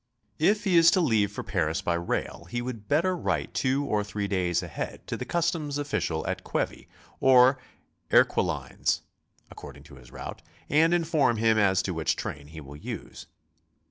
If he is to leave for Paris by rail, he would better write two or three days ahead to the customs official at Quevy or Erquelinnes (according to his route) and inform him as to which train he will use.